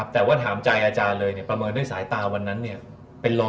แต่ว่าถามใจอาจารย์เลยประเมินด้วยสายตาวันนั้นเป็น๑๐๐